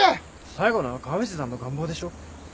最後のは川藤さんの願望でしょ？